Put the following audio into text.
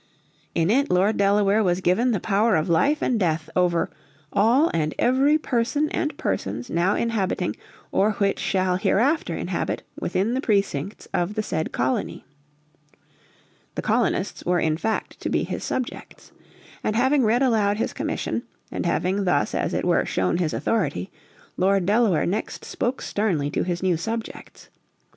In it Lord Delaware was given the power of life and death over "all and every person and persons now inhabiting, or which shall hereafter inhabit within the precincts of the said colony." The colonists were in fact to be his subjects. And having read aloud his commission, and having thus as it were shown his authority, Lord Delaware next spoke sternly to his new subjects.